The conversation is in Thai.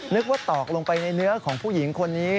นึกว่าตอกลงไปในเนื้อของผู้หญิงคนนี้